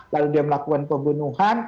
lalu dia melakukan pembunuhan